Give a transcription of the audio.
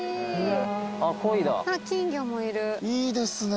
いいですね。